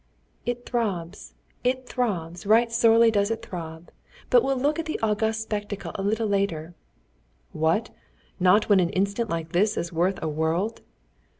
"It throbs, it throbs! Right sorely does it throb! But we'll look at the august spectacle a little later." "What! Not look when an instant like this is worth a world?"